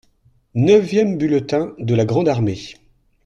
Neuvième bulletin de la grande armée.